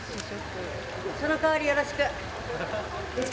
その代わり、よろしく。